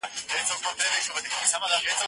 زه به انځورونه رسم کړي وي!؟